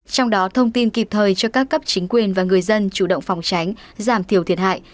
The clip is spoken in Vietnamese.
trong đó thông tin kịp thời cho các cấp chính quyền và người dân chủ động phòng tránh giảm thiểu thiệt hại